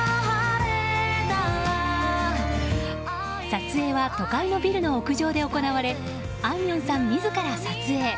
撮影は都会のビルの屋上で行われあいみょんさん自ら撮影。